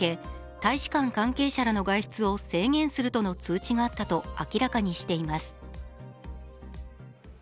大使館関係者らの外出を制限するとの通知があったと明らかにしています。